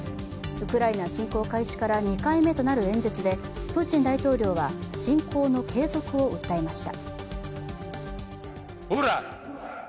ウクライナ侵攻開始から２回目となる演説でプーチン大統領は、侵攻の継続を訴えました。